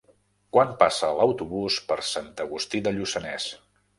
Quan passa l'autobús per Sant Agustí de Lluçanès?